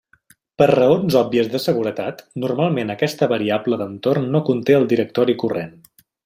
Per raons òbvies de seguretat, normalment aquesta variable d'entorn no conté el directori corrent.